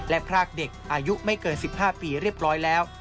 และพรากเด็กอายุไม่เกิน๑๕ปีเรียบร้อยแล้ว